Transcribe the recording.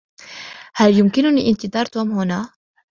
هل يمكنني إنتظار توم هنا؟